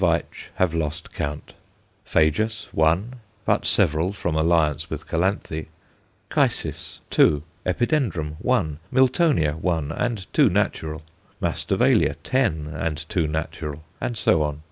Veitch have lost count; Phajus one, but several from alliance with Calanthe; Chysis two; Epidendrum one; Miltonia one, and two natural; Masdevallia ten, and two natural; and so on.